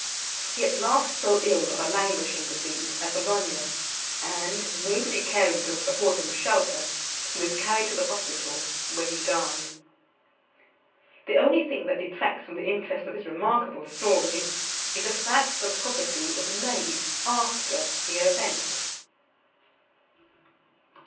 He at last fell ill of a languishing disease, at Bologna; and, nobody caring to afford him shelter, he was carried to the hospital, where he died. The only thing that detracts from the interest of this remarkable story is the fact, that the prophecy was made after the event.